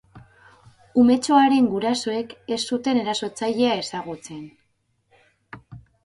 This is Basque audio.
Umetxoaren gurasoek ez zuten erasotzailea ezagutzen.